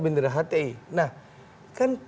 bendera hti nah kan